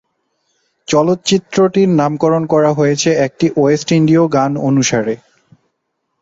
চলচ্চিত্রটির নামকরণ করা হয়েছে একটি ওয়েস্ট ইন্ডিয় গান অনুসারে।